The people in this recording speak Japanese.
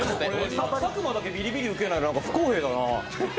佐久間だけビリビリ受けないの不公平だな。